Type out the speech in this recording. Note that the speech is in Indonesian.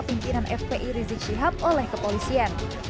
pimpinan fpi rizik syihab oleh kepolisian